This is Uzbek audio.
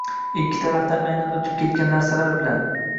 ikkinchi tarafdan aynan o‘tib ketgan narsalar bilan